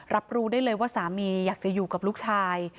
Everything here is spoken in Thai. รับรู้ได้เลยว่าสามีอยากจะอยู่กับลูกชาย